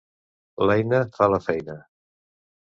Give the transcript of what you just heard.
L'eina fa la feina.